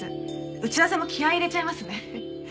打ち合わせも気合入れちゃいますね。